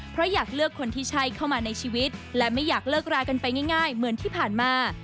เพราะอยากเลือกคนที่ใช่เข้ามาในชีวิตและไม่อยากเลิกรากันไปง่ายเหมือนที่ผ่านมา